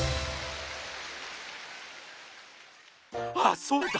あっそうだ！